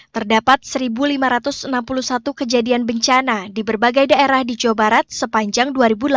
terdapat satu lima ratus enam puluh satu kejadian bencana di berbagai daerah di jawa barat sepanjang dua ribu delapan belas